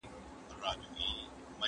طبيعي پديدې د څېړنې وړ دي.